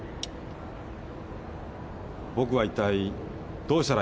僕は一体どうしたらいいんだ？